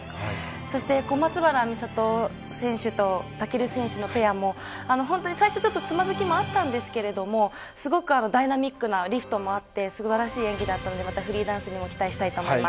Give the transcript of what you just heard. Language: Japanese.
そして小松原美里選手と尊選手のペアも最初、つまずきもありましたがすごくダイナミックなリフトもあって素晴らしい演技だったのでフリーダンスにも期待したいです。